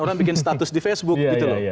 orang bikin status di facebook gitu loh